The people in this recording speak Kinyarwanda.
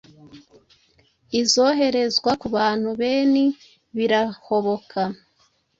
izoherezwa kubantu benhi, birahoboka